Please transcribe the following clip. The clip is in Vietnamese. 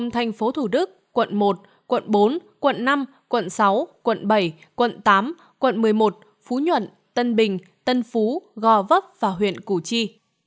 thành phố thủ đức quận một quận bốn quận năm quận sáu quận bảy quận tám quận một mươi một phú nhuận tân bình tân phú gò vấp và huyện củ chi